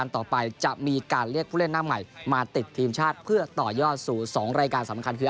ติดทีมชาติเพื่อต่อยอดสู่๒รายการสำคัญคือ